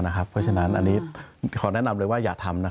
เพราะฉะนั้นอันนี้ขอแนะนำเลยว่าอย่าทำ